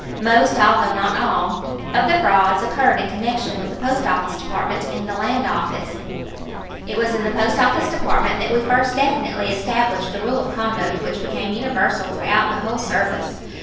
Most, although not all, of the frauds occurred in connection with the Post Office Department and the Land Office. It was in the Post Office Department that we first definitely established the rule of conduct which became universal throughout the whole service.